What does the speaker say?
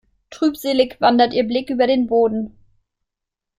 Trübselig wandert ihr Blick über den Boden.